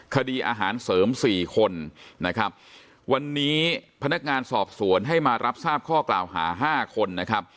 คดีอาหารเสริมสี่คนนะครับวันนี้พนักงานสอบสวนให้มารับทราบข้อกล่าวหาห้าคนนะครับ